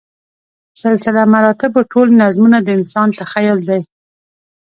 سلسله مراتبو ټول نظمونه د انسان تخیل دی.